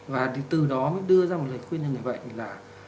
và từ đó mới đưa ra một lời khuyên cho người bệnh là